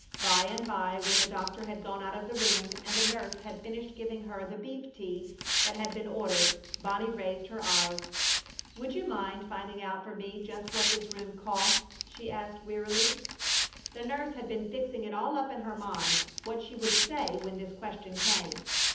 By and by, when the doctor had gone out of the room and the nurse had finished giving her the beef tea that had been ordered, Bonnie raised her eyes. "Would you mind finding out for me just what this room costs?" she asked, wearily. The nurse had been fixing it all up in her mind what she should say when this question came.